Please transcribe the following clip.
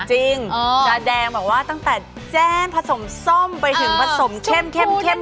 จาแดงบอกว่าตั้งแต่แจ้งผสมส้มไปถึงผสมเข้มเข้ม